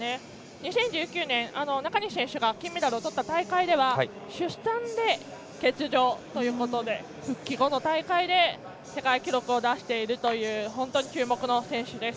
２０１９年、中西選手が金メダルをとった大会では出産で欠場ということで復帰後の大会で世界記録を出しているという本当に注目の選手です。